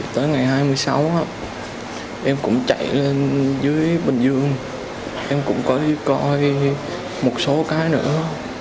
tới ngày hai mươi sáu em cũng chạy lên dưới bình dương em cũng có một số cái nữa